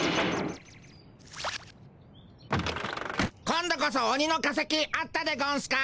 今度こそオニの化石あったでゴンスか？